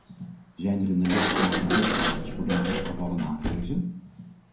Zijn er in de lidstaten luchthavens voor dergelijke gevallen aangewezen?